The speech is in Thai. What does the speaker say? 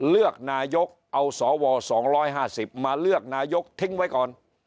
เลือกนายกเอาสว๒๕๐มาเลือกนายกทิ้งไว้ก่อน